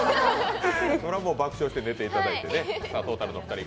それはもう爆笑して寝ていただいて。